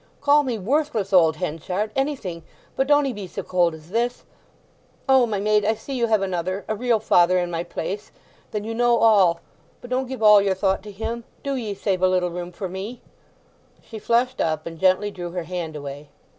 Call me worthless old Henchard—anything—but don't 'ee be so cold as this! O my maid—I see you have another—a real father in my place. Then you know all; but don't give all your thought to him! Do ye save a little room for me!" She flushed up, and gently drew her hand away.